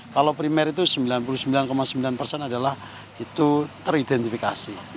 kalau primer itu sembilan puluh sembilan sembilan persen adalah itu teridentifikasi